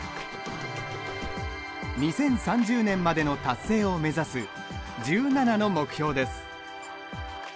２０３０年までの達成を目指す１７の目標です。